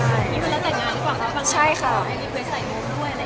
อันนี้เป็นวันแรกค่ะอันนี้เป็นวันแล้วแต่งานหรือเปล่า